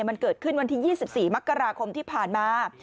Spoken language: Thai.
มันเกิดขึ้นวันที่๒๔มกราคมที่ผ่านมา